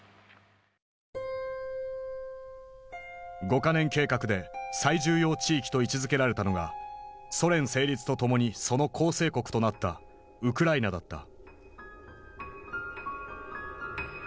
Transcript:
五か年計画で最重要地域と位置づけられたのがソ連成立とともにその構成国となったウクライナだった。